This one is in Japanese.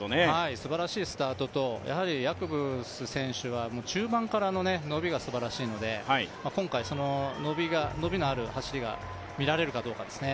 すばらしいスタートと、ヤコブ選手は、中盤からののびがすばらしいので今回、伸びのある走りが見られるかどうかですね。